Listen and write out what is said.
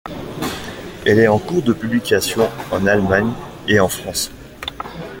Elle est en cours de publication en Allemagne et en France.